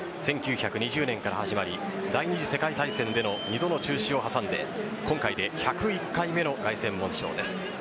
１９２０年から始まり第２次世界大戦での２度の中止を挟んで今回で１０１回目の凱旋門賞です。